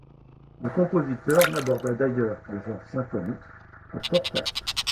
Le compositeur n'aborda d'ailleurs le genre symphonique que fort tard.